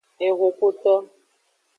Ehunkuto.